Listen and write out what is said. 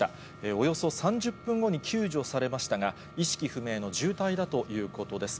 およそ３０分後に救助されましたが、意識不明の重体だということです。